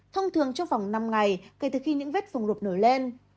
thông thường trong vòng năm ngày kể từ khi những vết phồng rụp nổi lên